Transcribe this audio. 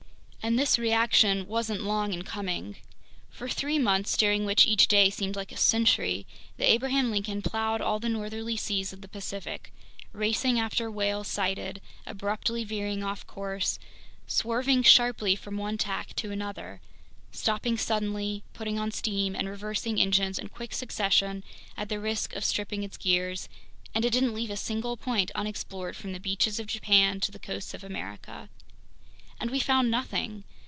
And this reaction wasn't long in coming. For three months, during which each day seemed like a century, the Abraham Lincoln plowed all the northerly seas of the Pacific, racing after whales sighted, abruptly veering off course, swerving sharply from one tack to another, stopping suddenly, putting on steam and reversing engines in quick succession, at the risk of stripping its gears, and it didn't leave a single point unexplored from the beaches of Japan to the coasts of America. And we found nothing!